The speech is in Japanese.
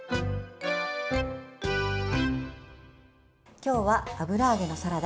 今日は油揚げのサラダ